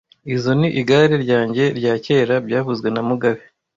Izoi ni igare ryanjye rya kera byavuzwe na mugabe